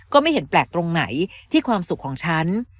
ก็ไม่เห็นแปลกตรงไหนที่ความสุขของฉัน